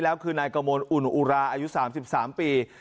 แล้วคือนายกมลอุ่นอุราอายุ๓๓ปี